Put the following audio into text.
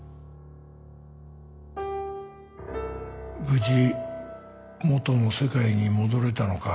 無事元の世界に戻れたのか